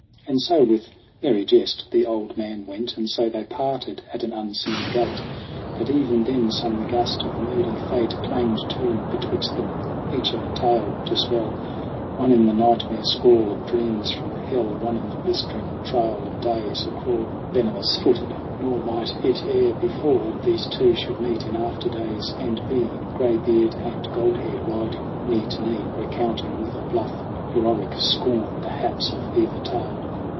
And so with merry jest the old man went; And so they parted at an unseen gate That even then some gust of moody fate Clanged to betwixt them ; each a tale to spell One in the nightmare scrawl of dreams from hell, One in the blistering trail of days a crawl, 8 SONG OF HUGH GLASS Venomous footed. Nor might it ere befall These two should meet in after days and be Graybeard and Goldhair riding knee to knee, Recounting with a bluff, heroic scorn The haps of either tale.